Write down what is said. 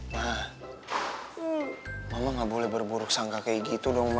ma mama gak boleh berburuk sangka kayak gitu dong ma